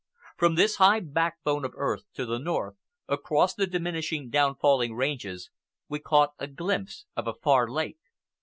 From this high backbone of earth, to the north, across the diminishing, down falling ranges, we caught a glimpse of a far lake.